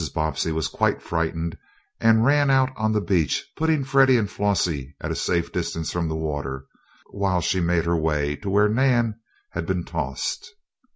Bobbsey was quite frightened, and ran out on the beach, putting Freddie and Flossie at a safe distance from the water, while she made her way to where Nan had been tossed.